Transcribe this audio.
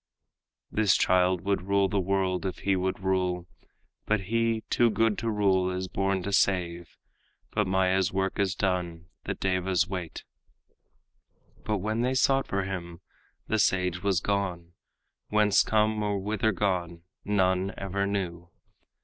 This child would rule the world, if he would rule, But he, too good to rule, is born to save; But Maya's work is done, the devas wait." But when they sought for him, the sage was gone, Whence come or whither gone none ever knew.